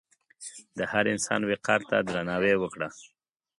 د هر انسان وقار ته درناوی وکړه.